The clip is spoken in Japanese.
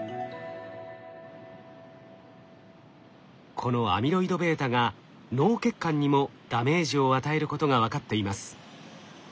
このアミロイドβが脳血管にもダメージを与えることが分かっています。